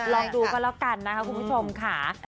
ลองดูก็แล้วกันนะคะคุณผู้ชมค่ะ